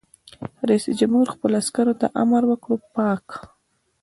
رئیس جمهور خپلو عسکرو ته امر وکړ؛ پاک!